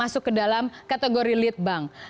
masuk ke dalam kategori lead bank